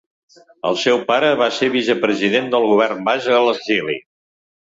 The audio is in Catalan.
El seu pare va ser vicepresident del govern basc a l’exili.